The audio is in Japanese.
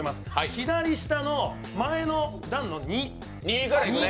左下の前の段の２。